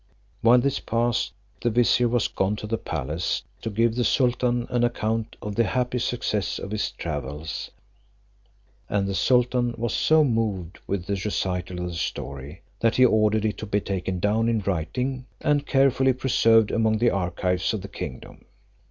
While this passed, the vizier was gone to the palace, to give the sultan an account of the happy success of his travels; and the sultan was so moved with the recital of the story, that he ordered it to be taken down in writing, and carefully preserved among the archives of the kingdom.